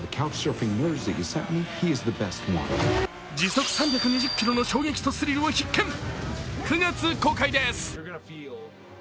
時速３２０キロの衝撃とスリルは必見、９月公開です。